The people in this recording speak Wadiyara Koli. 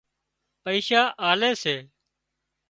پئيشا آلي سي